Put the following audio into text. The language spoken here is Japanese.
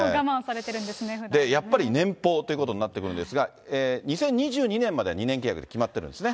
やっぱり年俸ということになってくるんですが、２０２２年まで２年契約で決まってるんですね。